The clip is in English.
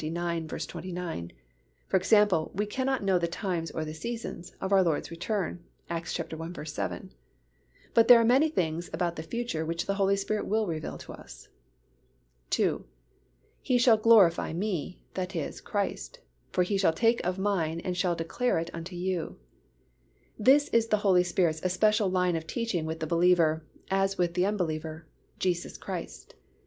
xxix. 29). For example, we cannot "know the times, or the seasons" of our Lord's return (Acts i. 7), but there are many things about the future which the Holy Spirit will reveal to us. (2) "He shall glorify Me (that is, Christ) for He shall take of Mine and shall declare it unto you." This is the Holy Spirit's especial line of teaching with the believer, as with the unbeliever, Jesus Christ.